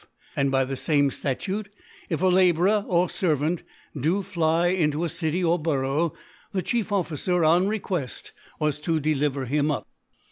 And by the fame Stature, if a Labourer or Servant do fly into a City or Borough, the Chief Officer, on Requeft, was to deliver bim up.